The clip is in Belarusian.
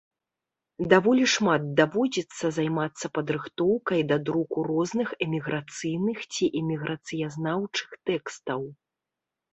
Даволі шмат даводзіцца займацца падрыхтоўкай да друку розных эміграцыйных ці эміграцыязнаўчых тэкстаў.